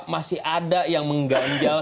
masih ada yang mengganjal